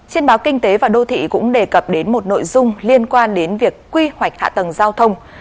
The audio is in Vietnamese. trên báo kinh tế và đô thị cũng đề cập đến một nội dung liên quan đến việc quy hoạch hạ tầng giao thông